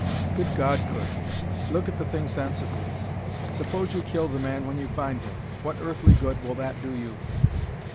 Good God, Curt, look at the thing sensibly! Suppose you kill the man when you find him. What earthly good will that do you?